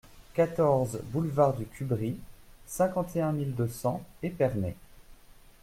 quatorze boulevard du Cubry, cinquante et un mille deux cents Épernay